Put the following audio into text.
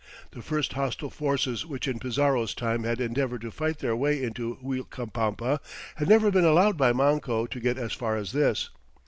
The first hostile forces which in Pizarro's time had endeavored to fight their way into Uilcapampa had never been allowed by Manco to get as far as this.